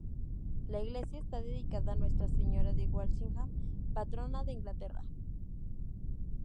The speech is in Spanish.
La iglesia está dedicada a Nuestra Señora de Walsingham, patrona de Inglaterra.